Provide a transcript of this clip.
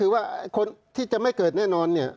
เวลาก็จะไม่เกิดเน่นอน